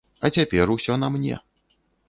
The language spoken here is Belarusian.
А цяпер усё на мне.